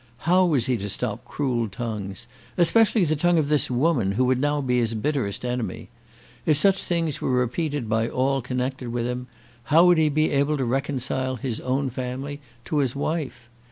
How was he to stop cruel tongues, especially the tongue of this woman, who would now be his bitterest enemy? If such things were repeated by all connected with him, how would he be able to reconcile his own family to his wife?